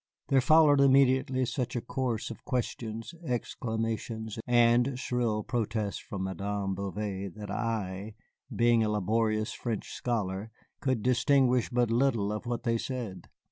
There followed immediately such a chorus of questions, exclamations, and shrill protests from Madame Bouvet, that I (being such a laborious French scholar) could distinguish but little of what they said.